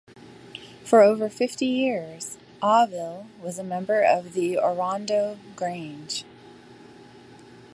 For over fifty years, Auvil was a member of the Orondo Grange.